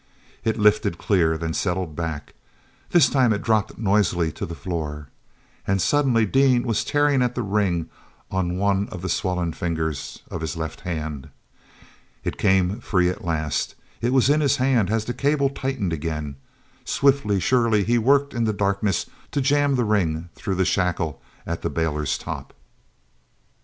It lifted clear, then settled back. This time it dropped noisily to the floor. And suddenly Dean was tearing at the ring on one of the swollen fingers of his left hand. It came free at last; it was in his hand as the cable tightened again. Swiftly, surely, he worked in the darkness to jam the ring through the shackle at the bailer's top.